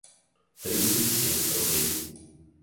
тридцать семь рублей